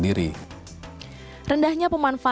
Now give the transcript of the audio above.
jadi kita harus memiliki kepentingan yang lebih besar